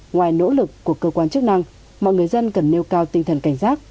ngoài nỗ lực của cơ quan chức năng mọi người dân cần nêu cao tinh thần cảnh giác